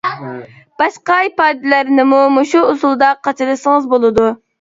باشقا ئىپادىلەرنىمۇ مۇشۇ ئۇسۇلدا قاچىلىسىڭىز بولىدۇ!